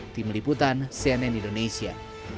tim liputan cnn indonesia